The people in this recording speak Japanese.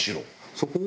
そこを。